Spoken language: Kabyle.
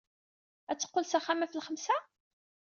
Ad d-teqqel s axxam ɣef lxemsa?